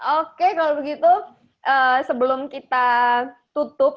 oke kalau begitu sebelum kita tutup